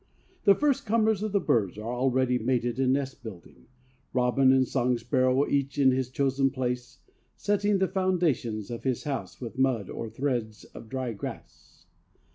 The first comers of the birds are already mated and nest building, robin and song sparrow each in his chosen place setting the foundations of his house with mud or threads of dry grass.